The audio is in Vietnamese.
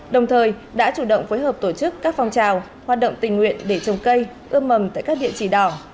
đồng thời đã chủ động phối hợp tổ chức các phong trào hoạt động tình nguyện để trồng cây ươm mầm tại các địa chỉ đỏ